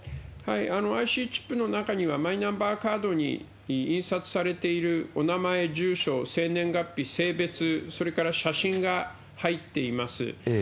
ＩＣチップの中にはマイナンバーカードに印刷されているお名前、住所、生年月日、性別、それから写真が入っています。